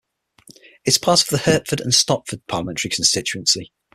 It is part of the Hertford and Stortford Parliamentary Constituency.